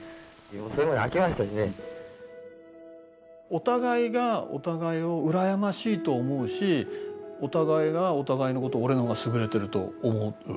お互いがお互いを羨ましいと思うしお互いがお互いのことを俺のほうが優れてると思う。